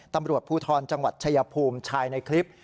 ตำรวจภูทรจังหวัดชายภูมิชายในคลิป